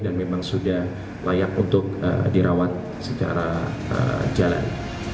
memang sudah layak untuk dirawat secara jalan